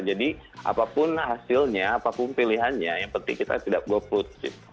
jadi apapun hasilnya apapun pilihannya yang penting kita tidak golput